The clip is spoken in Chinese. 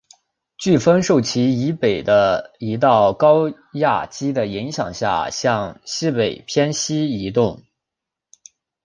飓风受其以北的一道高压脊的影响下向西北偏西移动。